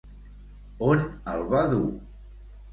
On el va dur?